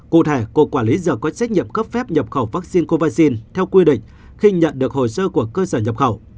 cụ thể cộng quản lý giờ có trách nhiệm cấp phép nhập khẩu vaccine covaxin theo quy định khi nhận được hồ sơ của cơ sở nhập khẩu